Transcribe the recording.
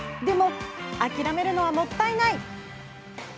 でも諦めるのはもったいない。